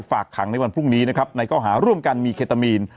ฝากขังในวันพรุ่งนี้นะครับในข้อหาร่วมกันมีเคตามีน